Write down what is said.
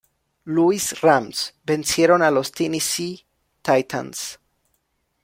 Louis Rams vencieron a los Tennessee Titans.